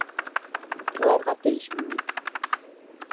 Иларға тейешме ни?